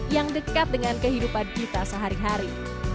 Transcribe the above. yang dekat dengan kehidupan kita sehari hari